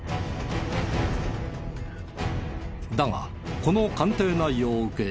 だがこの鑑定内容を受け